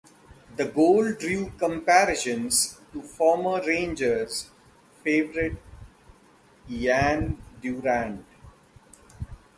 The goal drew comparisons to former Rangers favourite Ian Durrant.